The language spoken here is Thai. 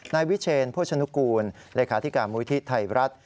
นายวิเชนโภชนุกูลเลขาธิการมูลิธิไทยรัฐ